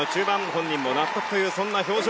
本人も納得というそんな表情。